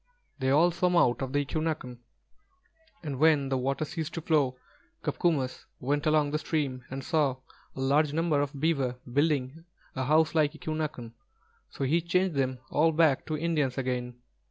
They all swam out of the eqū'nāk'n, and when the water ceased to flow, Copcomus went along the stream and saw a large number of beaver building a house like eqū'nāk'n, so he changed them all back to Indians again.